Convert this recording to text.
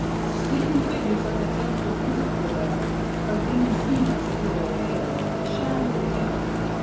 Even the figures of the baleful group were there, though dimly seen as through a veil a shadowy veil.